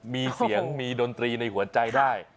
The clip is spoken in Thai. มีเสียงมีดนตรีในหัวใจได้